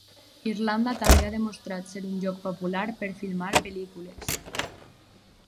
Irlanda també ha demostrat ser un lloc popular per filmar pel·lícules.